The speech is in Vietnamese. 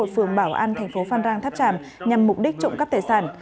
phường bảo an thành phố phan rang tháp tràm nhằm mục đích trộm cắp tài sản